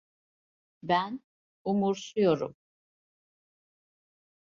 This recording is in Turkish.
Ben umursuyorum.